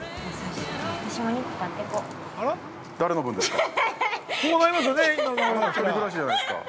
◆誰の分ですか？